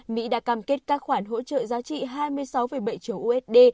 mỹ đã cam kết các khoản hỗ trợ giá trị hai mươi sáu bảy triệu usd